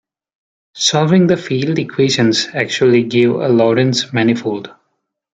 Solving the field equations actually gives a Lorentz manifold.